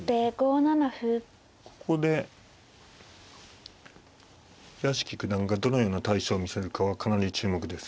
ここで屋敷九段がどのような対処を見せるかはかなり注目です。